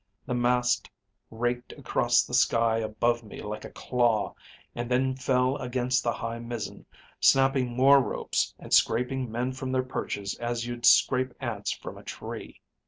The mast raked across the sky above me like a claw, and then fell against the high mizzen, snapping more ropes and scraping men from their perches as you'd scrape ants from a tree.